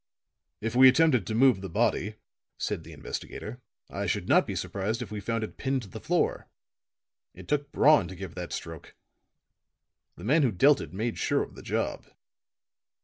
"If we attempted to move the body," said the investigator, "I should not be surprised if we found it pinned to the floor. It took brawn to give that stroke; the man who dealt it made sure of the job."